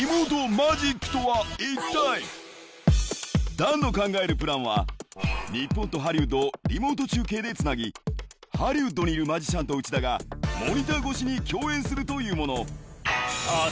ダンの考えるプランは日本とハリウッドをリモート中継でつなぎハリウッドにいるマジシャンと内田がモニター越しに共演するというもの